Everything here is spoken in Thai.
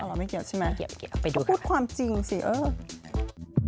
หรอไม่เกี่ยวใช่ไหมพูดความจริงสิเออไปดูครับไม่เกี่ยว